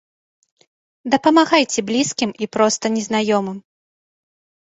Дапамагайце блізкім і проста незнаёмым.